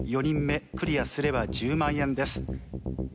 ４人目クリアすれば１０万円です。